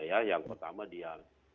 yang pertama dia